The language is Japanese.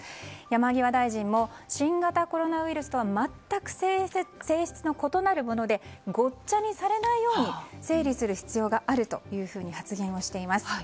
山際大臣も新型コロナウイルスとは全く性質の異なるものでごっちゃにされないように整理する必要があると発言をしています。